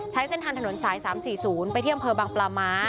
ใช้เส้นทางถนนสาย๓๔๐ไปที่อำเภอบางปลาม้า